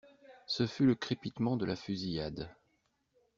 Ce fut le crépitement de la fusillade.